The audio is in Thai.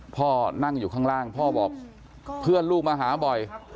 พ่อนั่งอยู่ข้างล่างพ่อบอกเพื่อนลูกมาหาบ่อย